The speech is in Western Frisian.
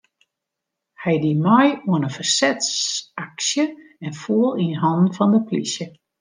Hy die mei oan in fersetsaksje en foel yn hannen fan de polysje.